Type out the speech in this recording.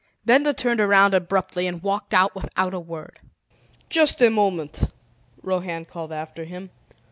Benda turned around abruptly and walked out without a word. "Just a moment," Rohan called after him.